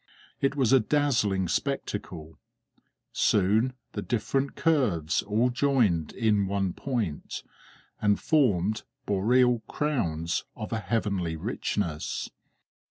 It was a dazzling spectacle. Soon the different curves all joined in one point, and formed boreal crowns of a heavenly richness.